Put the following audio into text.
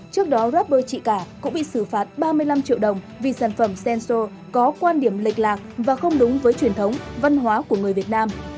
trước đó raber chị cả cũng bị xử phạt ba mươi năm triệu đồng vì sản phẩm censo có quan điểm lịch lạc và không đúng với truyền thống văn hóa của người việt nam